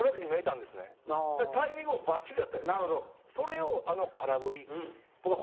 それをあの空振り。